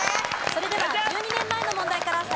それでは１２年前の問題から再開です。